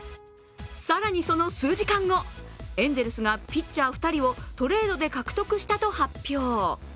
更にその数時間後、エンゼルスがピッチャー２人をトレードで獲得したと発表。